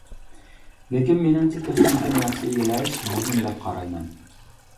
لېكىن مېنىڭچە تېخنىكىنى ياخشى ئىگىلەش مۇھىم دەپ قارايمەن.